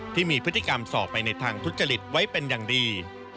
ที่มีพฤติกรรมสอบไปในทางทุจริตไว้เป็นอย่างดี